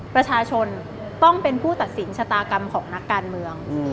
ประชาชนต้องเป็นผู้ตัดสินชะตากรรมของนักการเมือง